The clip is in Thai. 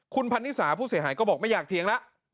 คุณพันนิสาผู้เสียหายก็บอกไม่อยากเถียงแล้ว